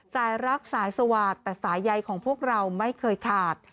สายรักสายสวาดแต่สายใยของพวกเราไม่เคยขาด